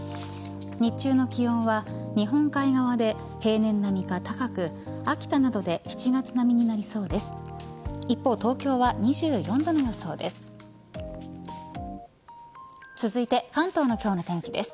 日中の気温は日本海側で平年並みか高く、秋田などで７月並みになりそうです。